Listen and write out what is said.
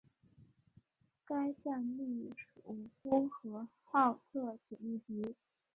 该站隶属呼和浩特铁路局。